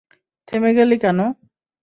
থেমে গেলি কেন?